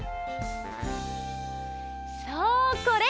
そうこれ。